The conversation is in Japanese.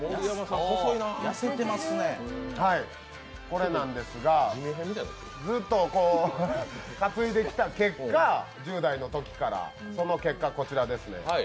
これなんですが、ずっと担いできた結果、１０代のときから、その結果こちらです。